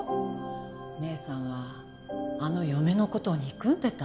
姉さんはあの嫁の事を憎んでた。